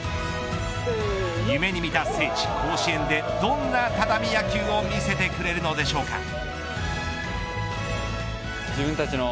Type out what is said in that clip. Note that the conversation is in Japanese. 夢に見た聖地、甲子園でどんな只見野球を見せてくれるのでしょうか。